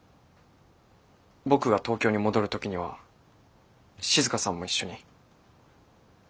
僕が東京に戻る時には静さんも一緒に。